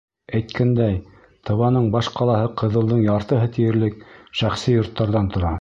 Әйткәндәй, Тываның баш ҡалаһы Ҡыҙылдың яртыһы тиерлек шәхси йорттарҙан тора.